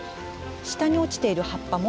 下に落ちている葉っぱも。